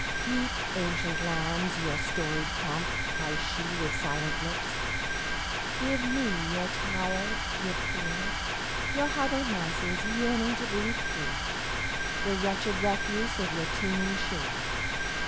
"Keep, ancient lands, your storied pomp!" cries sheWith silent lips. "Give me your tired, your poor, Your huddled masses yearning to breathe free, The wretched refuse of your teeming shore.